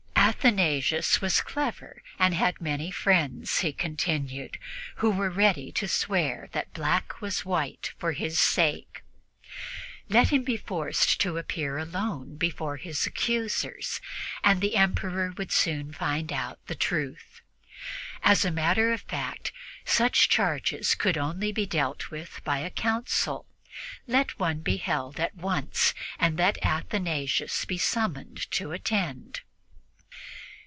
Athanasius was clever and had many friends, he continued, who were ready to swear that black was white for his sake. Let him be forced to appear alone before his accusers, and the Emperor would soon find out the truth. As a matter of fact, such charges could only be dealt with by a council; let one be held at once, and let Athanasius be summoned to attend.